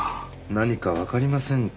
何かわかりませんか？